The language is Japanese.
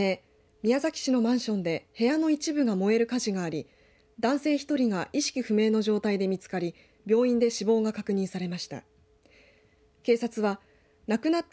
宮崎市のマンションで部屋の一部が燃える火事があり男性１人が意識不明の状態で見つかり病院で死亡が確認されました。